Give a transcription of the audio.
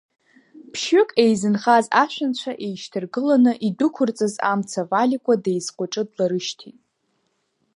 Ԥшьҩык еизынхаз ашәанцәа еишьҭаргыланы идәықәырҵаз амца Валикәа деизҟәыҿы дларышьҭит.